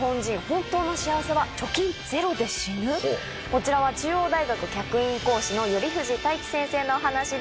こちらは中央大学客員講師の頼藤太希先生のお話です。